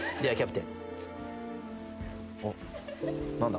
おっ何だ？